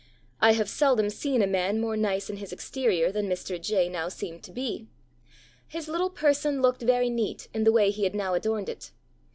I have seldom seen a man more nice in his exterior than Mr. J now seemed to be. His little person looked very neat in the way he had now adorned it.